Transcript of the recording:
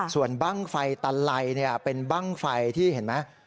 ส่วนบ้างไฟตะไลเป็นบ้างไฟที่เห็นไหม